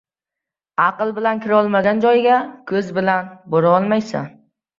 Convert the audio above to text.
• Aql bilan kirolmagan joyga ko‘z bilan borolmaysan.